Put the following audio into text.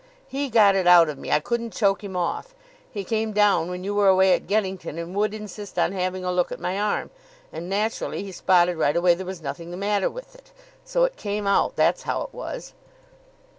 "He got it out of me. I couldn't choke him off. He came down when you were away at Geddington, and would insist on having a look at my arm, and naturally he spotted right away there was nothing the matter with it. So it came out; that's how it was."